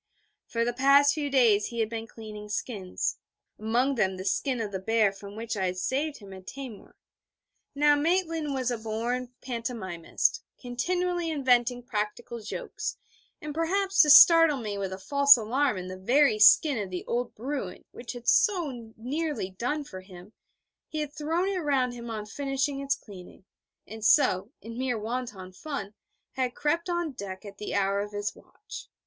For the past few days he had been cleaning skins, among them the skin of the bear from which I had saved him at Taimur. Now, Maitland was a born pantomimist, continually inventing practical jokes; and perhaps to startle me with a false alarm in the very skin of the old Bruin which had so nearly done for him, he had thrown it round him on finishing its cleaning, and so, in mere wanton fun, had crept on deck at the hour of his watch.